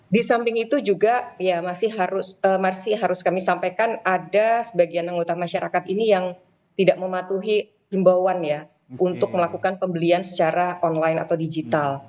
di samping itu juga ya masih harus kami sampaikan ada sebagian anggota masyarakat ini yang tidak mematuhi imbauan ya untuk melakukan pembelian secara online atau digital